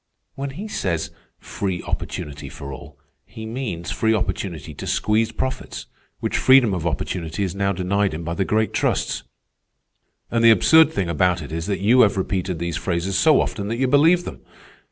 "When he says 'free opportunity for all,' he means free opportunity to squeeze profits, which freedom of opportunity is now denied him by the great trusts. And the absurd thing about it is that you have repeated these phrases so often that you believe them.